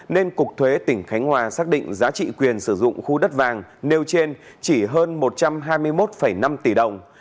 nên cục thuế tỉnh khánh hòa xác định giá trị quyền sử dụng khu đất vàng nêu trên chỉ hơn một trăm hai mươi một năm tỷ đồng